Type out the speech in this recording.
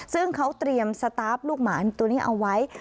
ซึ่งเขาเตรียมสตาร์ฟลูกหมานตัวนี้เอาไว้